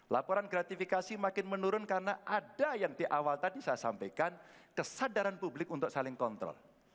laporan gratifikasi makin menurun karena ada yang di awal tadi saya sampaikan kesadaran publik untuk saling kontrol